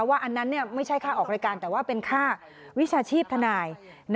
อันนั้นไม่ใช่ค่าออกรายการแต่ว่าเป็นค่าวิชาชีพทนาย